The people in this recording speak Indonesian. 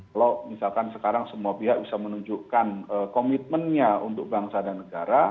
kalau misalkan sekarang semua pihak bisa menunjukkan komitmennya untuk bangsa dan negara